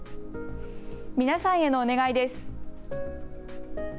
皆さんへのお願いです。